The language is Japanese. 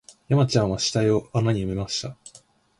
山ちゃんは死体を穴に埋めました